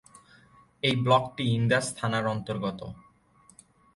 এই ব্লকটি ইন্দাস থানার অন্তর্গত।